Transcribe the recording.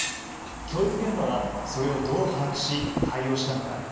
教育現場はそれをどう把握し、対応したのか。